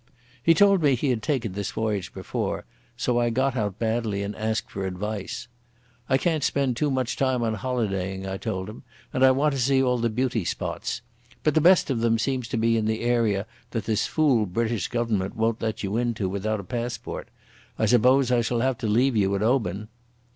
He told me he had taken this voyage before, so I got out Baddely and asked for advice. "I can't spend too much time on holidaying," I told him, "and I want to see all the beauty spots. But the best of them seem to be in the area that this fool British Government won't let you into without a passport. I suppose I shall have to leave you at Oban."